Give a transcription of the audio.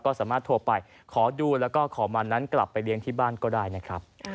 ก็สามารถโทรไปขอดูแล้วก็ขอมันนั้นกลับไปเลี้ยงที่บ้านก็ได้นะครับ